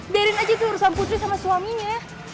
biarin aja tuh urusan putri sama suaminya